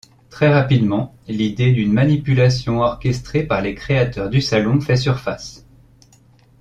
Très rapidement, l'idée d'une manipulation orchestrée par les créateurs du Salon fait surface.